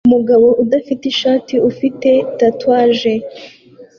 Umugabo udafite ishati ufite tatouage